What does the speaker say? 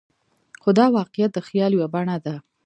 خو دا واقعیت د خیال یوه بڼه ده.